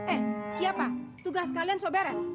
eh ya pak tugas kalian so beres